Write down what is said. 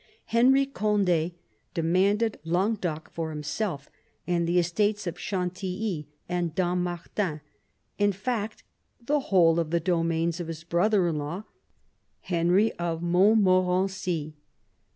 Henry Cond6 demanded Languedoc for himself and the estates of Chantilly and Dammartin, — in fact, the whole of the domains of his brother in law, Henry of Montmorency.